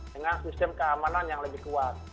dengan sistem keamanan yang lebih kuat